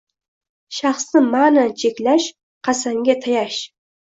Shaxsni ma’nan cheklash, qasamga tayash –